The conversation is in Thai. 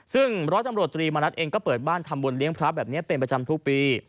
ซึ่งร้อยตำรวจตรีมณัฐเองก็เปิดบ้านทำบุญเลี้ยงพระแบบนี้เป็นประจำทุกปี